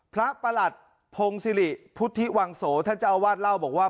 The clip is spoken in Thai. ประหลัดพงศิริพุทธิวังโสท่านเจ้าอาวาสเล่าบอกว่า